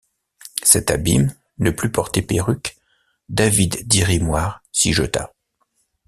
Cet abîme, ne plus porter perruque, David Dirry-Moir s’y jeta.